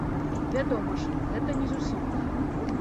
Вядома ж, гэта не зусім так.